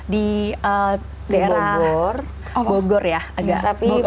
di daerah bogor ya agak rapi